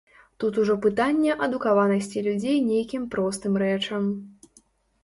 Тут ужо пытанне адукаванасці людзей нейкім простым рэчам.